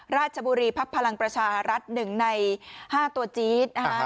ราชบุรีภักดิ์พลังประชารัฐหนึ่งในห้าตัวจี๊ดอ่า